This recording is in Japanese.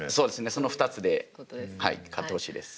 その２つで勝ってほしいです。